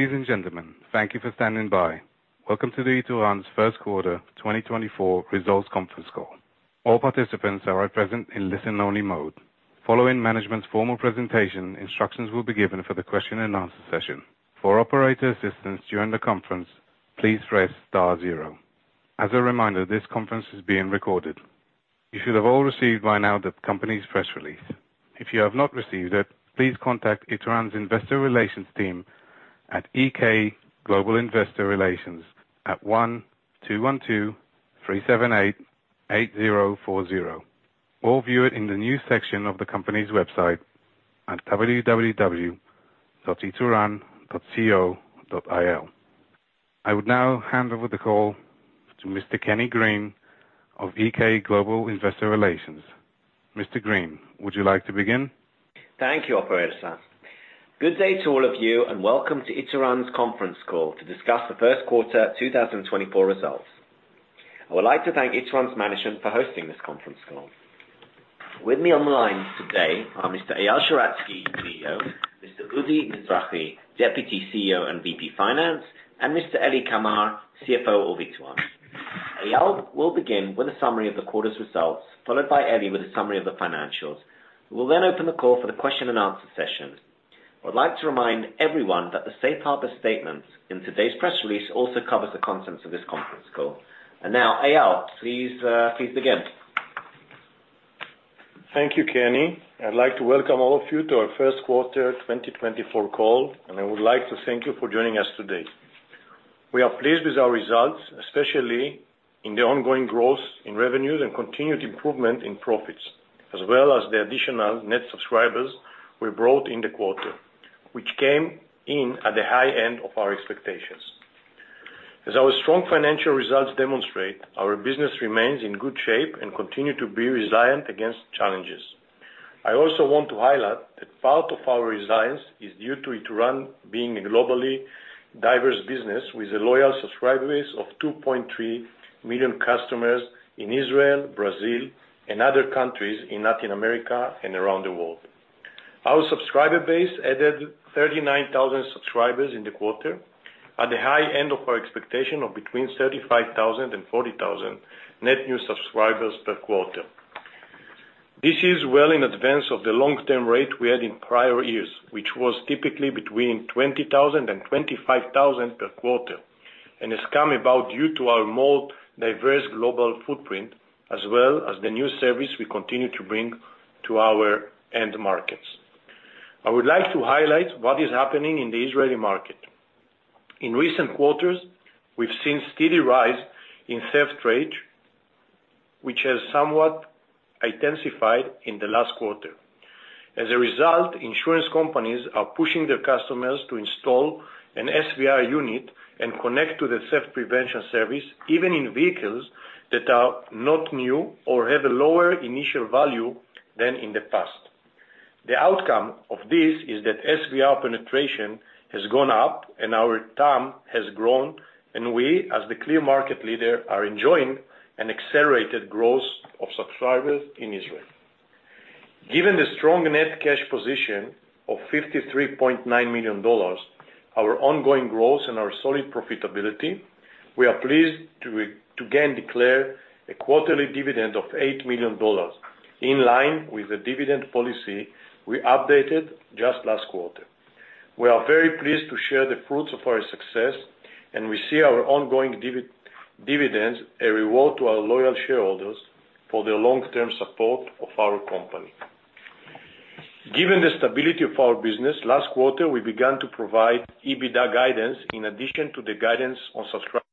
Ladies and gentlemen, thank you for standing by. Welcome to Ituran's first quarter 2024 results conference call. All participants are at present in listen-only mode. Following management's formal presentation, instructions will be given for the question and answer session. For operator assistance during the conference, please press star zero. As a reminder, this conference is being recorded. You should have all received by now the company's press release. If you have not received it, please contact Ituran's Investor Relations team at EK Global Investor Relations at 1-212-378-8040, or view it in the news section of the company's website at www.ituran.co.il. I would now hand over the call to Mr. Kenny Green of EK Global Investor Relations. Mr. Green, would you like to begin? Thank you, operator sir. Good day to all of you, and welcome to Ituran's conference call to discuss the first quarter 2024 results. I would like to thank Ituran's management for hosting this conference call. With me on the line today are Mr. Eyal Sheratzky, CEO, Mr. Udi Mizrahi, Deputy CEO and VP Finance, and Mr. Eli Kamer, CFO of Ituran. Eyal will begin with a summary of the quarter's results, followed by Eli with a summary of the financials. We'll then open the call for the question and answer session. I would like to remind everyone that the safe harbor statements in today's press release also covers the contents of this conference call. And now, Eyal, please, please begin. Thank you, Kenny. I'd like to welcome all of you to our first quarter 2024 call, and I would like to thank you for joining us today. We are pleased with our results, especially in the ongoing growth in revenues and continued improvement in profits, as well as the additional net subscribers we brought in the quarter, which came in at the high end of our expectations. As our strong financial results demonstrate, our business remains in good shape and continue to be resilient against challenges. I also want to highlight that part of our resilience is due to Ituran being a globally diverse business with a loyal subscriber base of 2.3 million customers in Israel, Brazil, and other countries in Latin America and around the world. Our subscriber base added 39,000 subscribers in the quarter at the high end of our expectation of between 35,000 and 40,000 net new subscribers per quarter. This is well in advance of the long-term rate we had in prior years, which was typically between 20,000 per quarter and 25,000 per quarter, and has come about due to our more diverse global footprint, as well as the new service we continue to bring to our end markets. I would like to highlight what is happening in the Israeli market. In recent quarters, we've seen steady rise in theft rate, which has somewhat intensified in the last quarter. As a result, insurance companies are pushing their customers to install an SVR unit and connect to the theft prevention service, even in vehicles that are not new or have a lower initial value than in the past. The outcome of this is that SVR penetration has gone up and our TAM has grown, and we, as the clear market leader, are enjoying an accelerated growth of subscribers in Israel. Given the strong net cash position of $53.9 million, our ongoing growth and our solid profitability, we are pleased to again declare a quarterly dividend of $8 million, in line with the dividend policy we updated just last quarter. We are very pleased to share the fruits of our success, and we see our ongoing dividends, a reward to our loyal shareholders for their long-term support of our company. Given the stability of our business, last quarter, we began to provide EBITDA guidance in addition to the guidance on subscriber.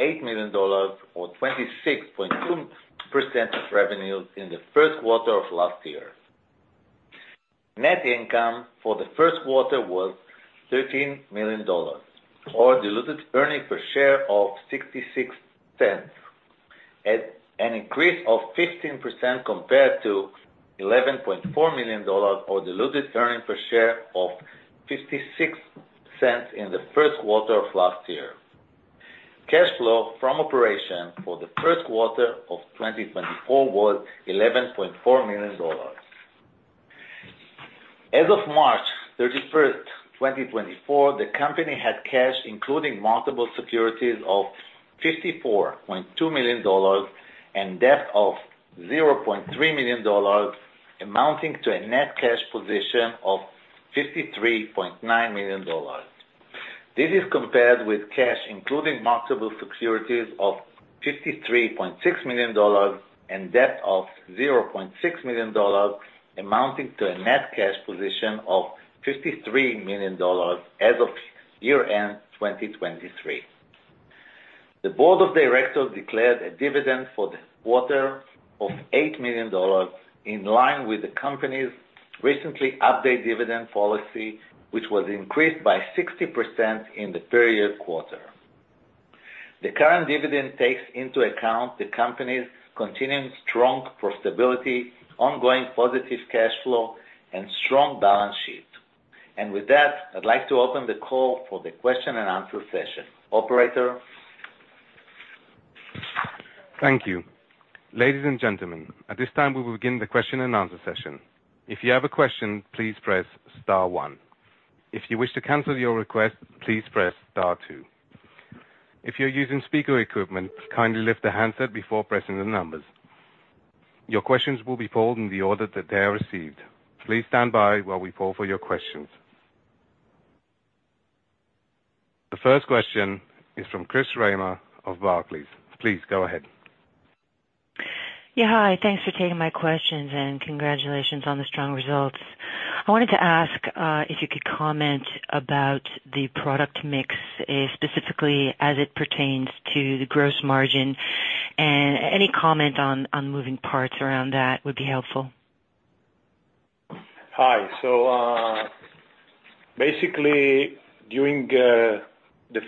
...$8 million or 26.2% of revenues in the first quarter of last year. Net income for the first quarter was $13 million, or diluted earnings per share of $0.66, at an increase of 15% compared to $11.4 million, or diluted earnings per share of $0.56 in the first quarter of last year. Cash flow from operation for the first quarter of 2024 was $11.4 million. As of March thirty-first, 2024, the company had cash, including marketable securities, of $54.2 million and debt of $0.3 million, amounting to a net cash position of $53.9 million. This is compared with cash, including marketable securities, of $53.6 million and debt of $0.6 million, amounting to a net cash position of $53 million as of year-end 2023. The board of directors declared a dividend for the quarter of $8 million, in line with the company's recently updated dividend policy, which was increased by 60% in the previous quarter. The current dividend takes into account the company's continuing strong profitability, ongoing positive cash flow, and strong balance sheet. And with that, I'd like to open the call for the question and answer session. Operator? Thank you. Ladies and gentlemen, at this time, we will begin the question and answer session. If you have a question, please press star one. If you wish to cancel your request, please press star two. If you're using speaker equipment, kindly lift the handset before pressing the numbers. Your questions will be followed in the order that they are received. Please stand by while we call for your questions. The first question is from Chris Reimer of Barclays. Please go ahead. Yeah, hi. Thanks for taking my questions, and congratulations on the strong results. I wanted to ask if you could comment about the product mix, specifically as it pertains to the gross margin, and any comment on moving parts around that would be helpful. Hi. So, basically, during the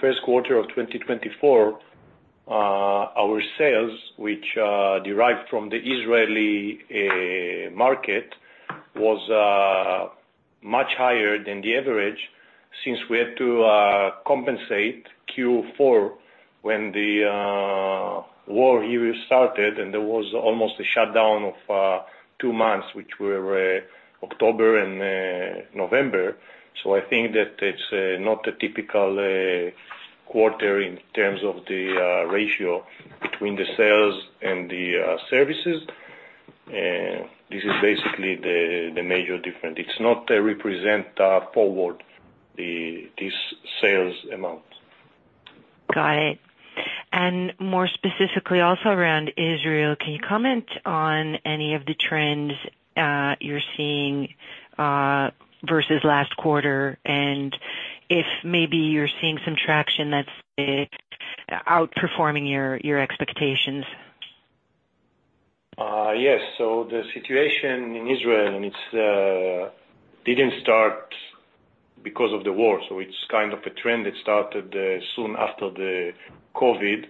first quarter of 2024, our sales, which derived from the Israeli market, was much higher than the average since we had to compensate Q4 when the war here started, and there was almost a shutdown of two months, which were October and November. So I think that it's not a typical quarter in terms of the ratio between the sales and the services. This is basically the major difference. It's not represent forward the-- this sales amount. Got it. And more specifically, also around Israel, can you comment on any of the trends you're seeing versus last quarter? And if maybe you're seeing some traction that's outperforming your, your expectations? Yes. So the situation in Israel, and it didn't start because of the war, so it's kind of a trend that started soon after the COVID,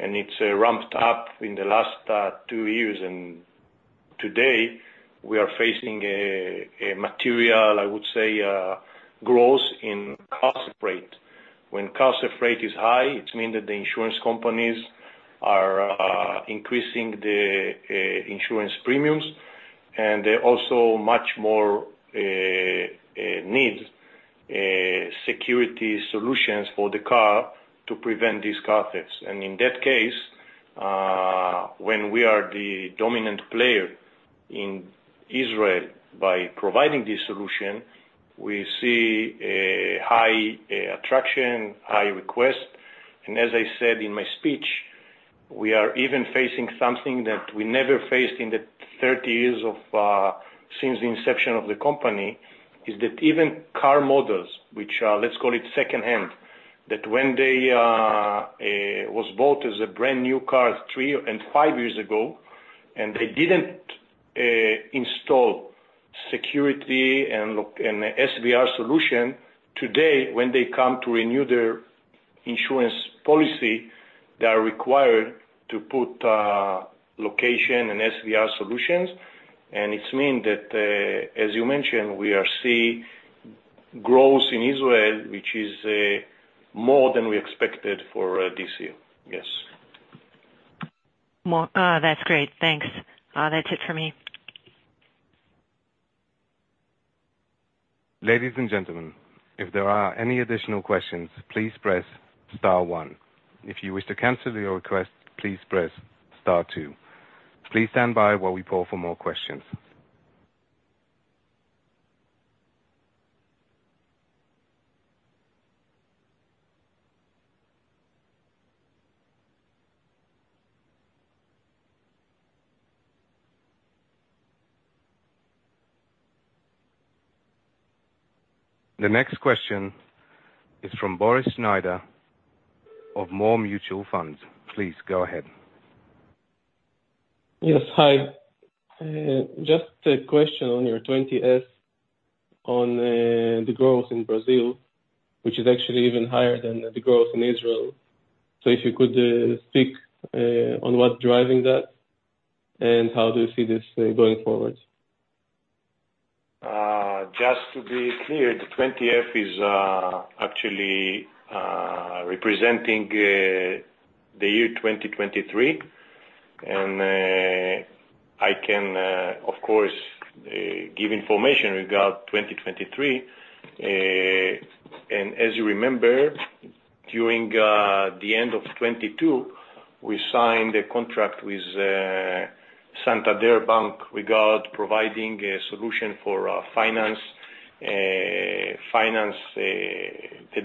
and it's ramped up in the last two years. And today, we are facing a material, I would say, growth in car theft rate. When car theft rate is high, it means that the insurance companies are increasing the insurance premiums, and they're also much more needs security solutions for the car to prevent these car thefts. And in that case, when we are the dominant player in Israel by providing this solution, we see a high attraction, high request. And as I said in my speech... We are even facing something that we never faced in the 30 years since the inception of the company, is that even car models which are, let's call it, second-hand, that when they was bought as a brand-new car 3 and 5 years ago, and they didn't install security and SVR solution, today, when they come to renew their insurance policy, they are required to put location and SVR solutions. And it's mean that, as you mentioned, we are see growth in Israel, which is more than we expected for this year. Yes. More. That's great, thanks. That's it for me. Ladies and gentlemen, if there are any additional questions, please press star one. If you wish to cancel your request, please press star two. Please stand by while we poll for more questions. The next question is from Boris Schneider of More Investment House. Please go ahead. Yes, hi. Just a question on your 20-F on the growth in Brazil, which is actually even higher than the growth in Israel. So if you could speak on what's driving that, and how do you see this going forward? Just to be clear, the 20-F is actually representing the year 2023. I can, of course, give information regarding 2023. And as you remember, during the end of 2022, we signed a contract with Santander Bank regarding providing a solution for finance that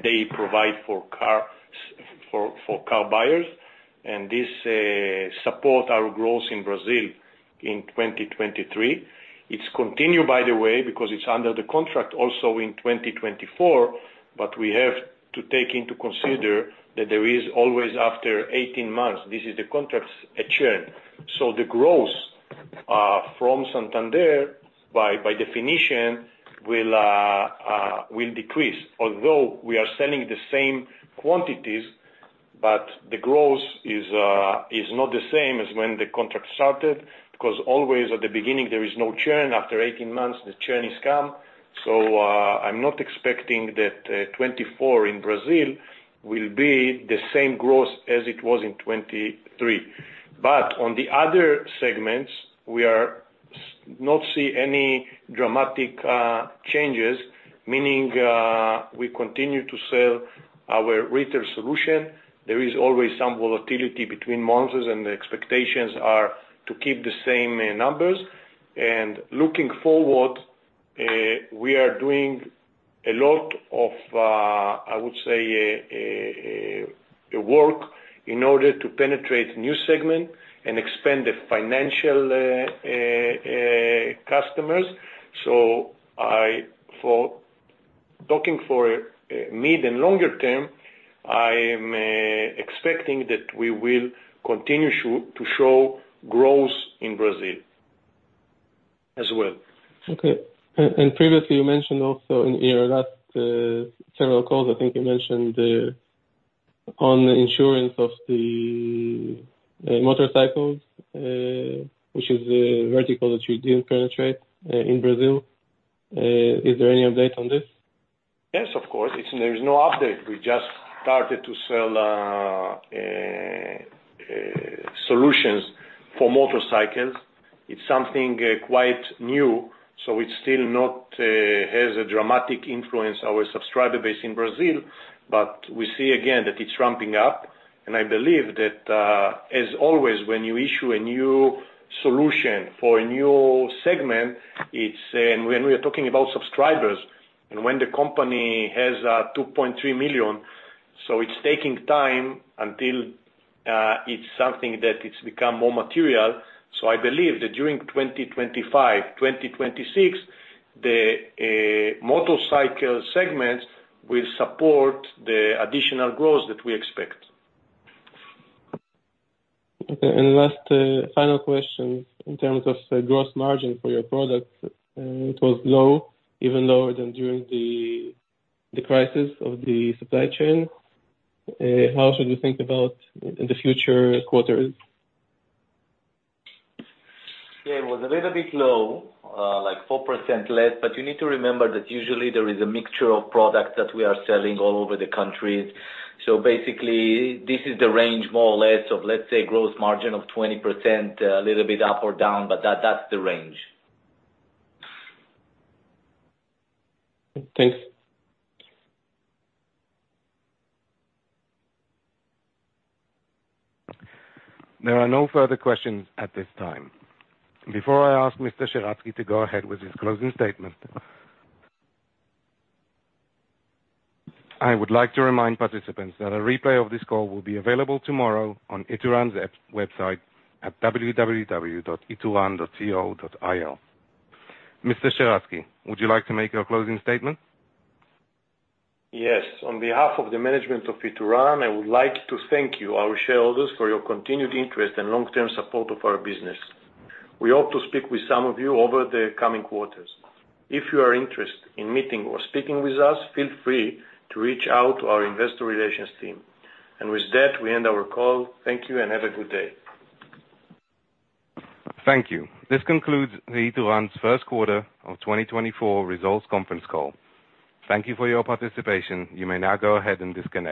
they provide for car buyers. And this support our growth in Brazil in 2023. It's continued, by the way, because it's under the contract also in 2024, but we have to take into consideration that there is always, after 18 months, this is the contract's churn. So the growth from Santander, by definition, will decrease. Although we are selling the same quantities, but the growth is not the same as when the contract started, because always at the beginning, there is no churn. After 18 months, the churn has come. I'm not expecting that 2024 in Brazil will be the same growth as it was in 2023. But on the other segments, we are not seeing any dramatic changes, meaning we continue to sell our retail solution. There is always some volatility between months, and the expectations are to keep the same numbers. And looking forward, we are doing a lot of, I would say, work in order to penetrate new segment and expand the financial customers. For talking for mid and longer term, I am expecting that we will continue to show growth in Brazil as well. Okay. And previously you mentioned also in your last several calls, I think you mentioned on the insurance of the motorcycles, which is a vertical that you didn't penetrate in Brazil. Is there any update on this? Yes, of course. There is no update. We just started to sell solutions for motorcycles. It's something quite new, so it's still not has a dramatic influence on our subscriber base in Brazil, but we see again that it's ramping up. And I believe that, as always, when you issue a new solution for a new segment, it's... And when we are talking about subscribers, and when the company has 2.3 million, so it's taking time until it's something that it's become more material. So I believe that during 2025, 2026, the motorcycle segment will support the additional growth that we expect. Okay. Last, final question, in terms of the gross margin for your products, it was low, even lower than during the crisis of the supply chain. How should we think about in the future quarters? Yeah, it was a little bit low, like 4% less, but you need to remember that usually there is a mixture of products that we are selling all over the country. So basically, this is the range, more or less, of, let's say, gross margin of 20%, a little bit up or down, but that, that's the range. Thanks. There are no further questions at this time. Before I ask Mr. Sheratzky to go ahead with his closing statement, I would like to remind participants that a replay of this call will be available tomorrow on Ituran's IR website at www.ituran.co.il. Mr. Sheratzky, would you like to make your closing statement? Yes. On behalf of the management of Ituran, I would like to thank you, our shareholders, for your continued interest and long-term support of our business. We hope to speak with some of you over the coming quarters. If you are interested in meeting or speaking with us, feel free to reach out to our investor relations team. And with that, we end our call. Thank you and have a good day. Thank you. This concludes Ituran's first quarter of 2024 results conference call. Thank you for your participation. You may now go ahead and disconnect.